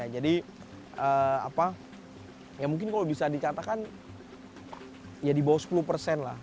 jadi mungkin kalau bisa dicatakan ya di bawah sepuluh persen lah